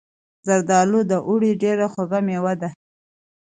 زردالو د اوړي ډیره خوږه میوه ده.